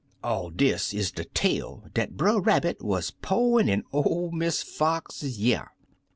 (All dis is de tale dat Brer Rabbit wuz po'in' in ol' Miss Fox' y'ear.)